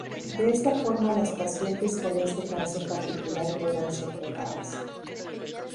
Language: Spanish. De esta forma las pacientes con este cáncer particular podrán ser tratadas.